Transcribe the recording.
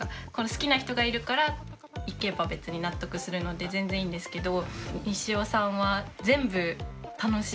好きな人がいるから行けば別に納得するので全然いいんですけど。